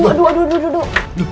aduh aduh aduh aduh